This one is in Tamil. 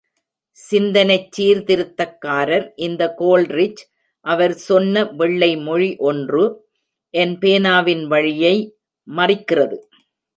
சிந்தனைச் சீர்திருத்தக்காரர் இந்த கோல்ரிட்ஜ், அவர் சொன்ன வெள்ளை மொழி ஒன்று என் பேனாவின் வழியை மறிக்கிறது.